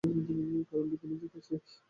কারণ বিজ্ঞানীদের কাজ তাদের প্রয়োজন।